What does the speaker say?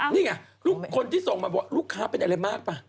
นี่ไงคนที่ส่งมาบอกลูกค้าเป็นอะไรมากป่ะ